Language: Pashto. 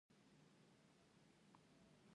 ځمکه د افغان تاریخ په ټولو کتابونو کې ذکر شوی دي.